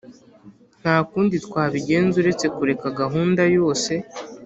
nta kundi twabigenza uretse kureka gahunda yose.